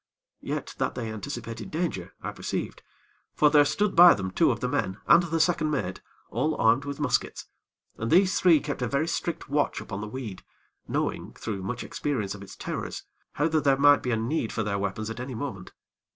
Yet that they anticipated danger, I perceived; for there stood by them two of the men and the second mate, all armed with muskets, and these three kept a very strict watch upon the weed, knowing, through much experience of its terrors, how that there might be a need for their weapons at any moment.